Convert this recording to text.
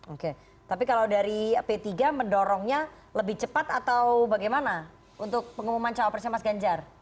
oke tapi kalau dari p tiga mendorongnya lebih cepat atau bagaimana untuk pengumuman cawapresnya mas ganjar